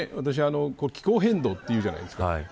気候変動というじゃないですか。